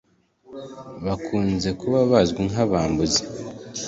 bakunze kuba bazwi nk'abambuzi,